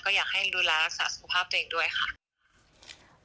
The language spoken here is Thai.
อยากให้ดูแลรักษาสุขภาพตัวเองด้วยค่ะ